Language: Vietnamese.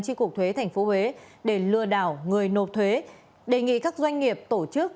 chính cục thuế thành phố huế để lừa đảo người nộp thuế đề nghị các doanh nghiệp tổ chức